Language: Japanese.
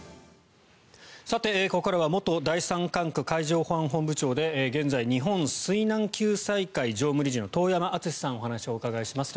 ここからは元第三管区海上保安本部長で現在、日本水難救済会常務理事の遠山純司さんにお話をお伺いします。